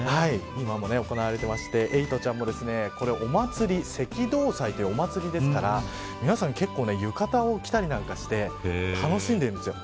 今も行われてましてエイトちゃんもお祭り赤道祭というお祭りですから皆さん浴衣を着たりなんかして楽しんでるんです。